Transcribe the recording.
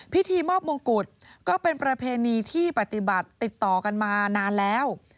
พิธีมอบมงกุฎก็เป็นประเพณีที่ปฏิบัติติดต่อกันมานานแล้ว